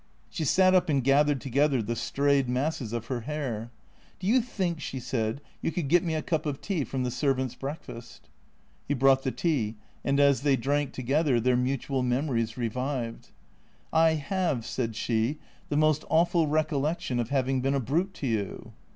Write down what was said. She sat up and gathered together the strayed masses of her hair. " Do you think," she said, " you could get me a cup of tea from the servant's breakfast ?" He brought the tea, and as they drank together their mutual memories revived. " I have," said she, " the most awful recollection of having been a brute to you."